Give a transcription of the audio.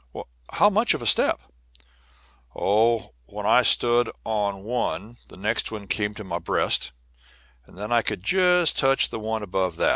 "How much of a step?" "Oh, when I stood on one the next one came to my breast, and then I could just touch the one above that."